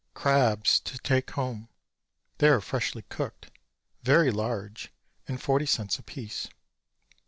"Crabs to take home." They are freshly cooked, very large and forty cents apiece.